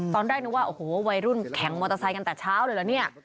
ตอนแรกนึกว่าโอ้โหวัยรุ่นแข่งมอเตอร์ไซค์กันแต่เช้าเลยเหรอเนี่ย